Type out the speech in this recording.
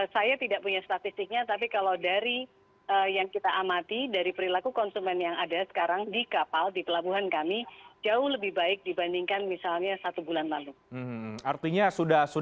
saya tidak punya statistiknya tapi kalau dari yang kita amati dari perilaku konsumen yang ada sekarang di kapal di pelabuhan kami jauh lebih baik dibandingkan misalnya satu bulan lalu